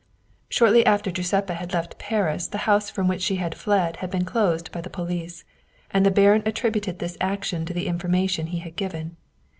Shortly after Giuseppa had left Paris the house from which she had fled had been closed by the po lice, and the baron attributed this action to the information he had given.